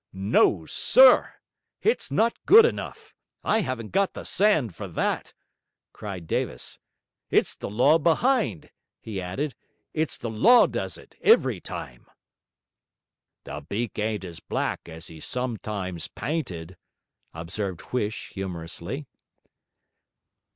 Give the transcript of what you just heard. no, SIR! it's not good enough! I haven't got the sand for that!' cried Davis. 'It's the law behind,' he added; 'it's the law does it, every time!' 'The beak ain't as black as he's sometimes pynted,' observed Huish, humorously.